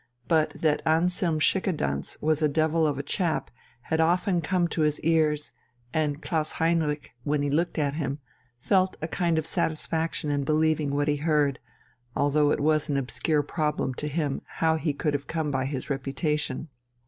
But that Anselm Schickedanz was a devil of a chap had often come to his ears, and Klaus Heinrich, when he looked at him, felt a kind of satisfaction in believing what he heard, although it was an obscure problem to him how he could have come by his reputation.